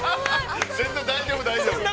◆大丈夫大丈夫。